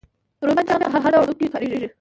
رومی بانجان په هر ډول خوړو کې کاریږي